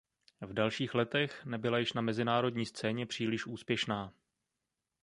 V dalších letech nebyla již na mezinárodní scéně příliš úspěšná.